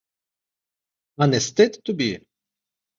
А не стид тобі?